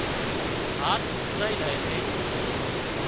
هاٿ هُوزائي زائي سي